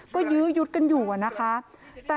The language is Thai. ก็ยื้อยุดกันอยู่นะคะ